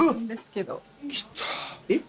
えっ！